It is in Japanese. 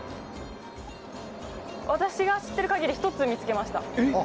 私が知ってる限り１つ見つけました。